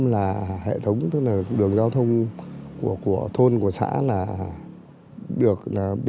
một trăm linh là hệ thống tức là đường giao thông của thôn của xã là được